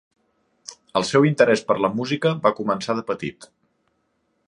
El seu interès per la música va començar de petit.